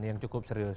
yang cukup serius